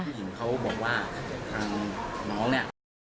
หญิงเขาบอกว่าทางน้องเนี่ย